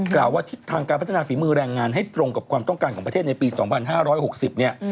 กล่าวว่าทิศทางการพัฒนาฝีมือแรงงานให้ตรงกับความต้องการของประเทศในปี๒๕๖๐เนี่ย